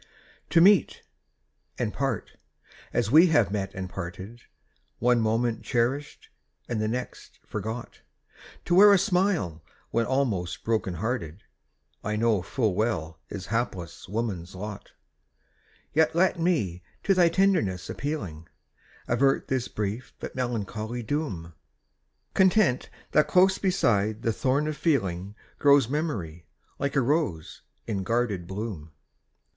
To meet, and part, as we have met and parted, One moment cherished and the next forgot, To wear a smile when almost broken hearted, I know full well is hapless woman's lot; Yet let me, to thy tenderness appealing, Avert this brief but melancholy doom Content that close beside the thorn of feeling, Grows memory, like a rose, in guarded bloom.